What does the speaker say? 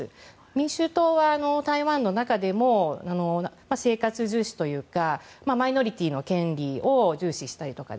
民衆党は台湾の中でも生活重視というかマイノリティーの権利を重視したりとか